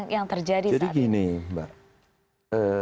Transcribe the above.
yang terjadi jadi gini mbak